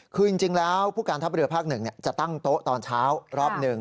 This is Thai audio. คือจริงแล้วผู้การทัพเรือภาค๑จะตั้งโต๊ะตอนเช้ารอบหนึ่ง